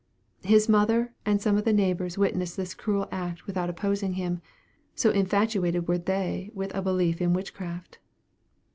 His mother, and some of the neighbors witnessed this cruel act without opposing him, so infatuated were they with a belief in witchcraft.